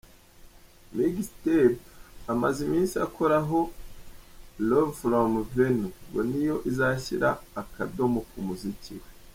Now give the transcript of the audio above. Mixtape amaze iminsi akoraho “Love From Venus” ngo niyo izashyira akadomo ku muziki we.